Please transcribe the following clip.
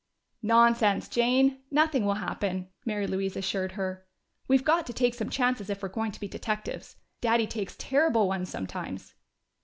"Nonsense, Jane! Nothing will happen," Mary Louise assured her. "We've got to take some chances if we're going to be detectives. Daddy takes terrible ones sometimes."